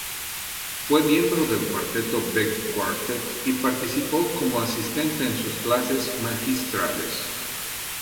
Fue miembro del cuarteto Vegh-Quartet y participó como asistente en sus clases magistrales.